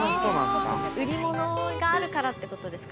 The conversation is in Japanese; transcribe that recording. ◆売り物があるからってことですか。